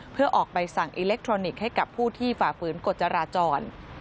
เพื่อออกใบสั่งอิเล็กทรอนิกส์ให้กับผู้ที่ฝ่าฝืนกฎจราจร